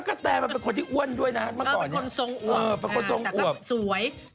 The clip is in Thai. กะแทเป็นคนที่อ้วนมาก่อนต้องเป็นคนทรงอวก